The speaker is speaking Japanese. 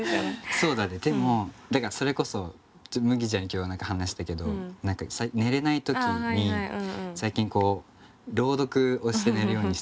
そうだねでもだからそれこそ麦ちゃんに今日話したけど寝れない時に最近こう朗読をして寝るようにしてるって言って。